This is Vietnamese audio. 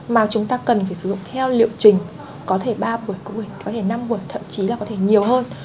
mà chúng ta cần phải sử dụng theo liệu trình có thể ba tuổi có thể năm buổi thậm chí là có thể nhiều hơn